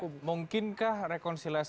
kang ujang ya mungkinkah rekonsiliasi